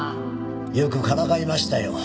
よくからかいましたよ。